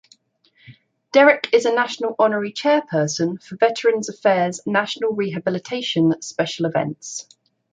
Derek is a national honorary chairperson for Veterans Affairs' National Rehabilitation Special Events.